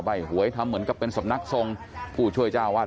ไล่เขาออกจากวัด